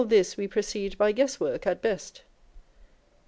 455 this we proceed by guess work at best.